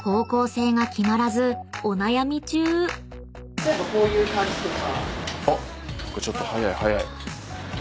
例えばこういう感じとか。